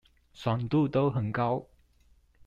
爽度都很高